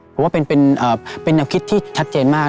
ผมว่าเป็นแนวคิดที่ชัดเจนมาก